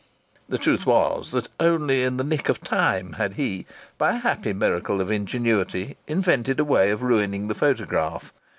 The truth was that only in the nick of time had he, by a happy miracle of ingenuity, invented a way of ruining the photograph.